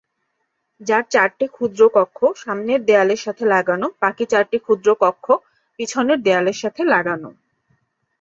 যার চারটি ক্ষুদ্র কক্ষ সামনের দেয়ালের সাথে লাগানো বাকি চারটি ক্ষুদ্র কক্ষ পিছনের দেয়ালের সাথে লাগানো।